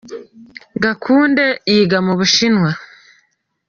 Gakunde yiga mubushinwa.